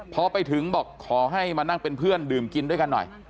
พอไปถึงบอกขอให้มานั่งเป็นเพื่อนดื่มกินด้วยกันหน่อย